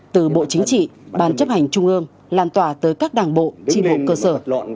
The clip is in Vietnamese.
từ bộ chính trị ban chấp hành trung ương lan tòa tới các đảng bộ tri mục cơ sở